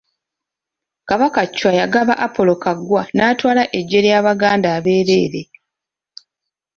Kabaka Chwa yagaba Apolo Kaggwa n'atwala eggye ly'Abaganda abeereere.